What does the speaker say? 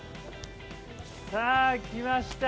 さぁ、来ました！